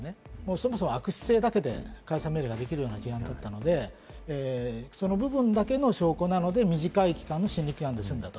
そもそも、悪質性だけで解散命令が請求できる事案だったので、その部分だけの証拠なので短い期間の審理期間で済んだ。